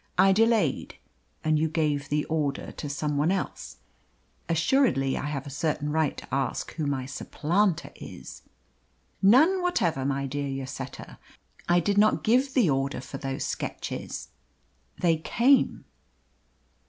"I delayed and you gave the order to some one else. Assuredly I have a certain right to ask who my supplanter is." "None whatever, my dear Lloseta. I did not give the order for those sketches they came."